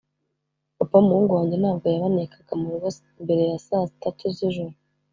papa w’umuhungu wanjye ntabwo yabanekaga mu rugo mbere ya saa tatu z’ijoro,